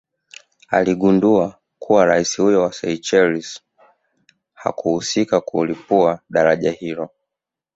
Aligundua kuwa raia huyo wa Seychelles hakuhusika kulipua daraja hilo